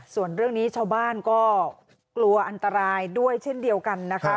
ส่วนเรื่องนี้ชาวบ้านก็กลัวอันตรายด้วยเช่นเดียวกันนะคะ